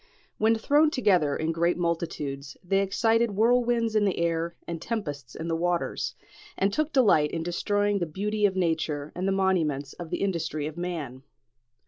When thrown together in great multitudes, they excited whirlwinds in the air and tempests in the waters, and took delight in destroying the beauty of nature and the monuments of the industry of man.